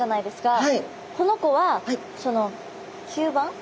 この子はその吸盤？